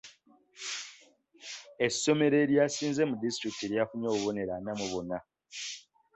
Essomero eryasinze mu disiulikiti lyafunye obubonero ana mu buna.